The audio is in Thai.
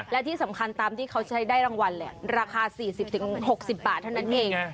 และที่สำคัญตามที่เขาใช้ได้รางวัลราคา๔๐๖๐บาทเท่านั้นเอง